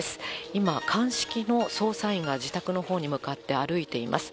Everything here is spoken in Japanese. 今、鑑識の捜査員が自宅のほうに向かって歩いています。